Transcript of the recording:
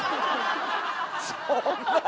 「そんなあ」。